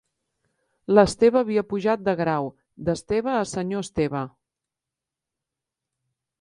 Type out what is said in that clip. L'Esteve havia pujat de grau: d'Esteve a senyor Esteve.